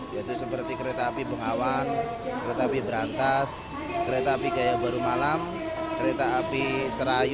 yaitu seperti kereta api bengawan kereta api berantas kereta api gaya baru malam kereta api serayu